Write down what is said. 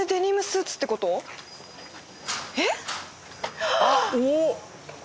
えっ？